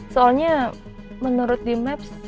soalnya menurut di maps